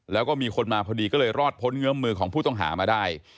แล้วก็มีคนมาพอดีก็เลยรอดพ้นเงื้อมือของผู้ต้องหามาได้